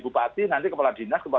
bupati nanti kepala dinas